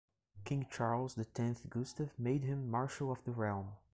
King Charles the Tenth Gustav made him Marshal of the Realm.